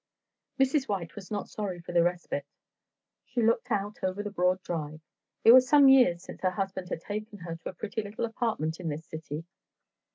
Mrs. White was not sorry of the respite. She looked out over the broad drive. It was some years since her husband had taken her to a pretty little apartment in this city.